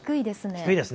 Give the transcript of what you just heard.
低いです。